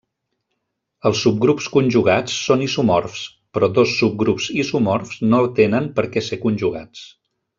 Els subgrups conjugats són isomorfs, però dos subgrups isomorfs no tenen per què ser conjugats.